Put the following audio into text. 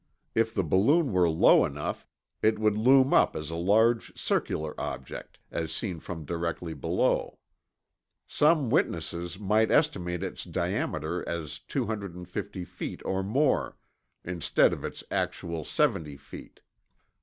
If the balloon were low enough, it would loom up as a large circular object, as seen from directly below. Some witnesses might estimate its diameter as 250 feet or more, instead of its actual 70 feet.